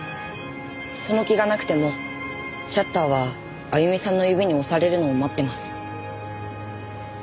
その気がなくてもシャッターはあゆみさんの指に押されるのを待ってます。